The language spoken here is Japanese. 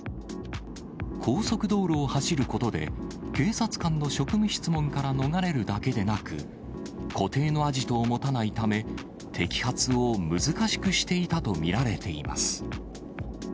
高速道路を走ることで、警察官の職務質問から逃れるだけでなく、固定のアジトを持たないため、摘発を難しくしていたと見られています。